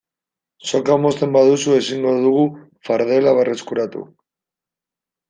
Soka mozten baduzu ezingo dugu fardela berreskuratu.